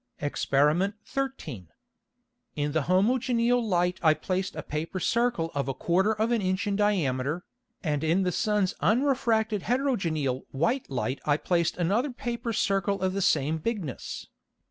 Exper. 13. In the homogeneal Light I placed a Paper Circle of a quarter of an Inch in diameter, and in the Sun's unrefracted heterogeneal white Light I placed another Paper Circle of the same Bigness.